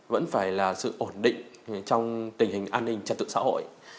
vẫn phải là sự ổn định trong tình hình an ninh trật tự xã hội